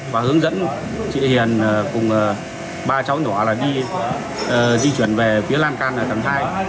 và hướng dẫn chị hiền cùng ba cháu nhỏ đi di chuyển về phía lan can tầng hai